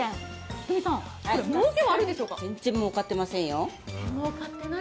全然もうかってませんよ。